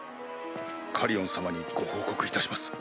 カリオン様にご報告いたします。